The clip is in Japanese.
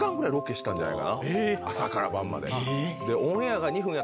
朝から晩まで。